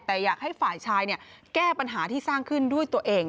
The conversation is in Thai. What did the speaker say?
แต่อยากให้ฝ่ายชายแก้ปัญหาที่สร้างขึ้นด้วยตัวเอง